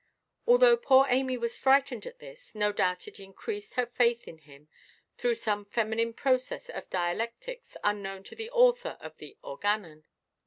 Although poor Amy was frightened at this, no doubt it increased her faith in him through some feminine process of dialectics unknown to the author of the Organon.